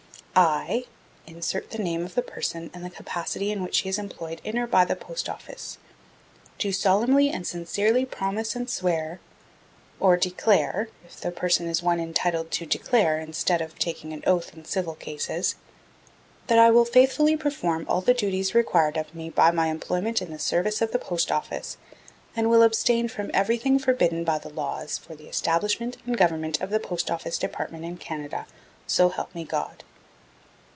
I (insert the name of the person and the capacity in which he is employed in or by the Post Office) do solemnly and sincerely promise and swear, (or declare if the person is one entitled to declare instead of taking an oath in civil cases), that I will faithfully perform all the duties required of me by my employment in the service of the Post Office, and will abstain from everything forbidden by the laws for the establishment and government of the Post Office Department in Canada, so help me God.